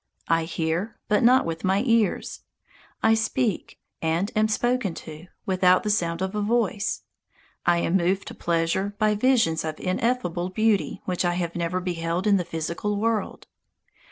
I hear, but not with my ears. I speak, and am spoken to, without the sound of a voice. I am moved to pleasure by visions of ineffable beauty which I have never beheld in the physical world.